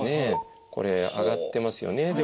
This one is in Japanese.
これ上がってますよね。